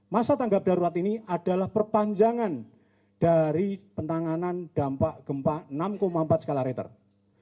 masa tanggap darurat ini adalah perpanjangan dari penanganan dampak gempa enam empat skala richter